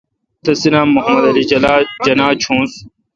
تسی نام محمد علی جناح چونس۔